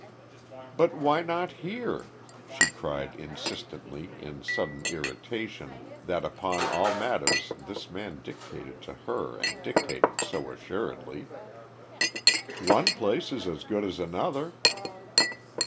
"But why not here?" she cried insistently in sudden irritation that upon all matters this man dictated to her and dictated so assuredly. "One place is as good as another."